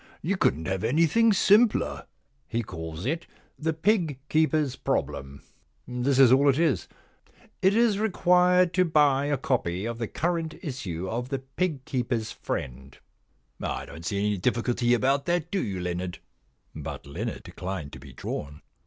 You couldn*t have anything simpler. He calls it " The Pig Keeper's Problem.*' This is all it is :" It is required to buy a copy of the current issue of The Pig Keepers^ Friend ^ I don't see any difficulty about that, do you, Leonard }* But Leonard declined to be drawn.